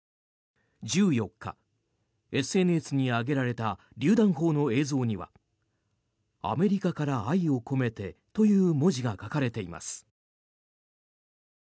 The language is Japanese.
１４日、ＳＮＳに上げられたりゅう弾砲の映像には「アメリカから愛を込めて」という文字が書かれています。